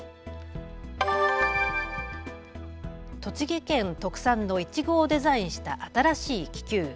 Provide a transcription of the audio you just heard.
栃木県特産のいちごをデザインした新しい気球。